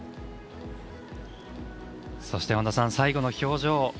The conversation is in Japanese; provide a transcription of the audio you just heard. そして、最後の表情